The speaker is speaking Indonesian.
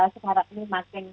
sejarah ini makin